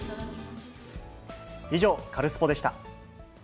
以上、カルスポっ！でした。